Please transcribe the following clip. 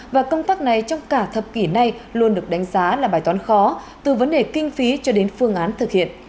và công tác này trong cả thập kỷ này luôn được đánh giá là bài toán khó từ vấn đề kinh phí cho đến phương án thực hiện